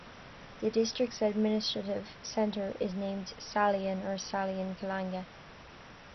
The district's administrative center is named Salyan or "Salyan Khalanga".